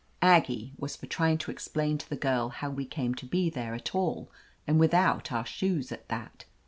Aggie was for trying to explain to the girl how we came to be there at all, and without our shoes at that.